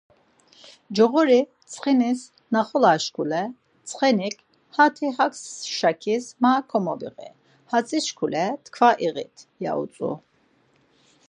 Coğori ntsxenis naxolesşkule ntsxenik 'Hati hak şakis ma komobiği, hatzişkule tkva iğit' ya utzu.